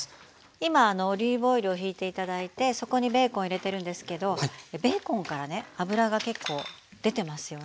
今オリーブオイルをひいて頂いてそこにベーコン入れてるんですけどベーコンからね脂が結構出てますよね。